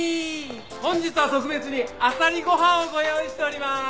本日は特別にあさりご飯をご用意しております！